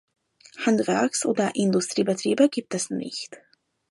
Handwerks- oder Industriebetriebe gibt es nicht.